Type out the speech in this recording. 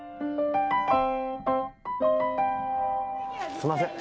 すいません。